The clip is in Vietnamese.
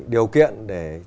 điều kiện để